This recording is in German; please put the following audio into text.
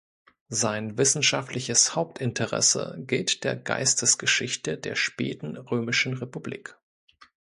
Sein wissenschaftliches Hauptinteresse gilt der Geistesgeschichte der späten römischen Republik.